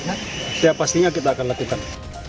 ya setiap pastinya kita akan lakukan